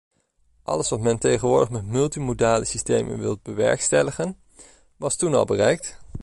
Alles wat men tegenwoordig met multimodale systemen wil bewerkstelligen, was toen al bereikt.